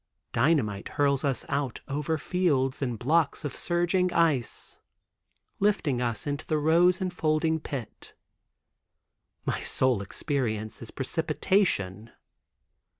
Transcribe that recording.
Dynamite hurls us out over fields and blocks of surging ice, lifting us into the rose enfolding pit. My sole experience is precipitation.